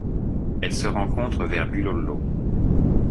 Elle se rencontre vers Bulolo.